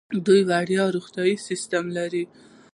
دوی وړیا روغتیايي سیستم لري.